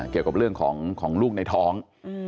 เกี่ยวกับเรื่องของลูกในท้อง